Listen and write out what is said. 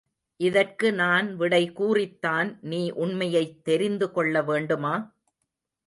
இதற்கு நான் விடை கூறித்தான் நீ உண்மையைத் தெரிந்து கொள்ள வேண்டுமா?